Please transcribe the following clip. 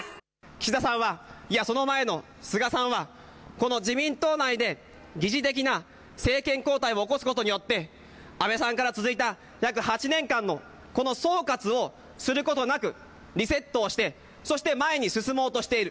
岸田さんは、いやその前の菅さんは、この自民党内で疑似的な政権交代を起こすことによって、安倍さんから続いた約８年間の、この総括をすることなく、リセットをして、そして前に進もうとしている。